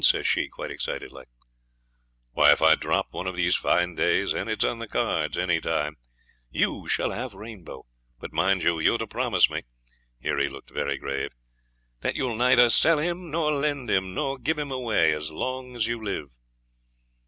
says she, quite excited like. 'Why, if I drop one of these fine days and it's on the cards any time you shall have Rainbow; but, mind now, you're to promise me' here he looked very grave 'that you'll neither sell him, nor lend him, nor give him away as long as you live.'